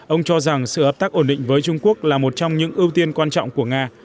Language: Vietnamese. ông cho rằng sự hợp tác ổn định với trung quốc là một trong những ưu tiên quan trọng của nga